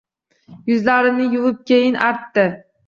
Yuzlarini yuvibkeyin artdi.